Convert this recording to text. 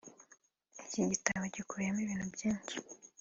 Iki gitabo gikubiyemo ibintu byinshi